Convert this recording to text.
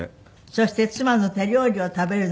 そして妻の手料理を食べるのが至福の喜び。